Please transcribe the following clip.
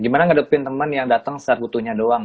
gimana ngadepin teman yang datang saat butuhnya doang